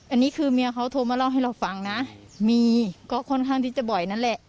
อันนี้คือเมียเขาโทรมาเล่าให้เราฟังนะมีก็ค่อนข้างที่จะบ่อยนั่นแหละ